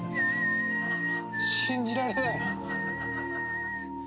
信じられない。